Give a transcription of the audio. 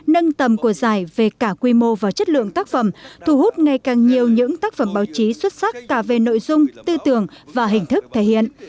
nâng tầm của giải về cả quy mô và chất lượng tác phẩm thu hút ngày càng nhiều những tác phẩm báo chí xuất sắc cả về nội dung tư tưởng và hình thức thể hiện